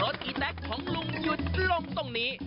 อีแต๊กของลุงหยุดลงตรงนี้